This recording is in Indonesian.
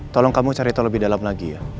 tolong kamu cari tahu lebih dalam lagi ya